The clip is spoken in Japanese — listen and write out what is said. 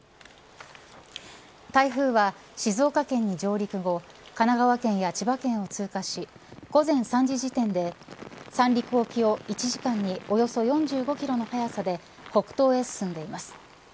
台風は静岡県に上陸後神奈川県や千葉県を通過し午前３時時点で三陸沖を１時間におよそ４５キロの速さで北東へ進んでいます。